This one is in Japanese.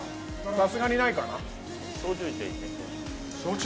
さすがにないかな？